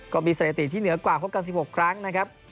ก็มีสถิติที่เหนือกว่าพบกัน๑๖ครั้งนะครับ